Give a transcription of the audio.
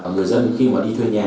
người dân khi mà đi thuê nhà